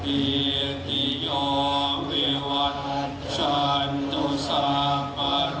มีแต่สุขมากล้นสถาพภาพ